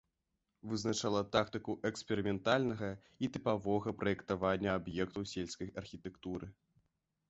Вызначала тактыку эксперыментальнага і тыпавога праектавання аб'ектаў сельскай архітэктуры.